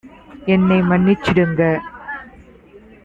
என்னை மன்னிச்சிடுங்க!